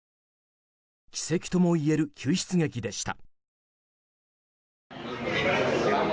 奇跡ともいえる救出劇でした。